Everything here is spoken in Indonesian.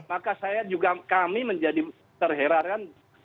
maka saya juga kami menjadi terherankan